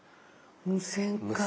無線かあ。